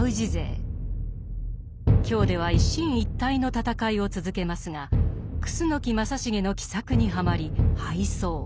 京では一進一退の戦いを続けますが楠木正成の奇策にはまり敗走。